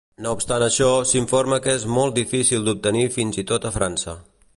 No obstant això, s'informa que és molt difícil d'obtenir fins i tot a França.